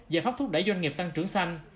giải pháp thúc đẩy doanh nghiệp tăng trưởng xanh